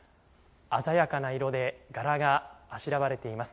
鮮やかな色で柄があしらわれています。